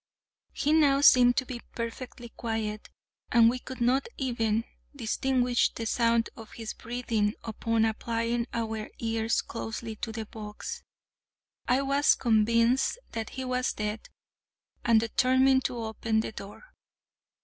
He now seemed to be perfectly quiet, and we could not even distinguish the sound of his breathing upon applying our ears closely to the box. I was convinced that he was dead, and determined to open the door.